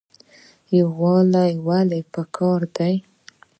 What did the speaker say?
یووالی ولې پکار دی؟